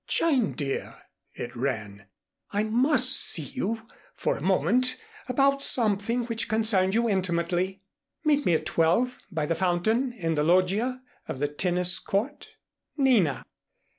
"Jane, dear," it ran. "I must see you for a moment about something which concerns you intimately. Meet me at twelve by the fountain in the loggia of the tennis court. "NINA."